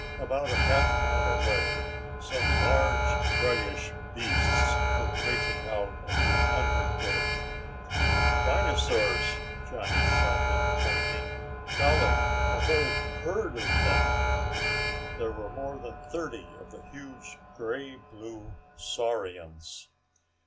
About a half mile away some large greyish beasts were breaking out of the undergrowth. "Rhinosaurs!" Johnny shouted, pointing. "Golly, a whole herd of them!" There were more than thirty of the huge grey blue saurians.